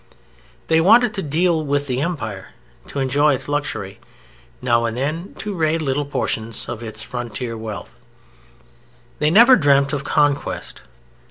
They wanted to deal with the Empire, to enjoy its luxury, now and then to raid little portions of its frontier wealth. They never dreamt of "conquest."